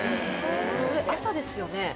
それ朝ですよね？